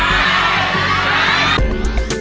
ไปฟื้นร้อง